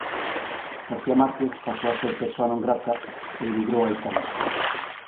García Márquez pasou a ser persoa non grata e emigrou a Italia.